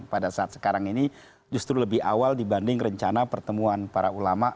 pada saat sekarang ini justru lebih awal dibanding rencana pertemuan para ulama